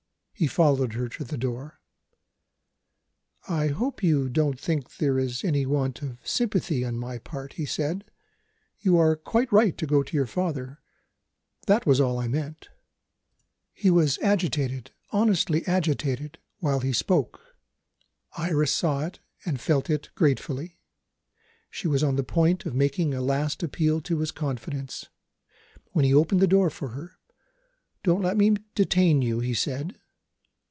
He followed her to the door. "I hope you don't think there is any want of sympathy on my part," he said. "You are quite right to go to your father. That was all I meant." He was agitated, honestly agitated, while he spoke. Iris saw it, and felt it gratefully. She was on the point of making a last appeal to his confidence, when he opened the door for her. "Don't let me detain you," he said.